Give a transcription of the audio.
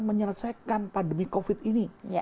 menyelesaikan pandemi covid ini